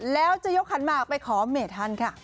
แล้วจะยกขันหมากไปขอเมทันค่ะ